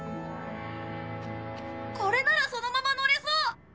これならそのままのれそう！